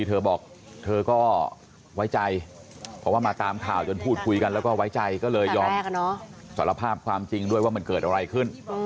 เธอบอกเธอก็ไว้ใจเพราะว่ามาตามข่าวจนพูดคุยกันแล้วก็ไว้ใจก็เลยยอมสารภาพความจริงด้วยว่ามันเกิดอะไรขึ้น